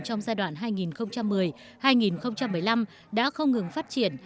trong giai đoạn hai nghìn một mươi hai nghìn một mươi năm đã không ngừng phát triển